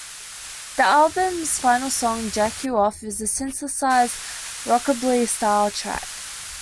The album's final song, "Jack U Off", is a synthesized rockabilly-style track.